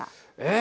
え。